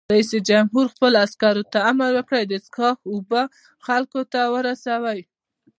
رئیس جمهور خپلو عسکرو ته امر وکړ؛ د څښاک اوبه خلکو ته ورسوئ!